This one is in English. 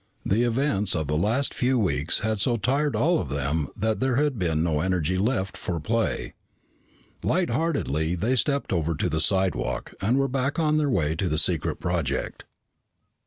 The events of the last few weeks had so tired all of them that there had been no energy left for play. Lightheartedly they stepped over to the slidewalk and were back on their way to the secret project.